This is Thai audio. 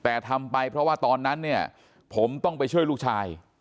แต่ทำไปเพราะว่าตอนนั้นเนี่ยผมต้องไปช่วยลูกชาย